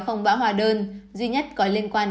không bão hòa đơn duy nhất có liên quan